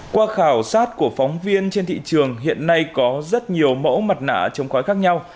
qua khảo sát của phóng viên trên thị trường hiện nay có rất nhiều mẫu mặt nạ chống khói khác nhau